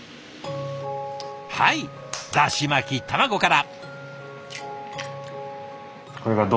はいだし巻き卵から。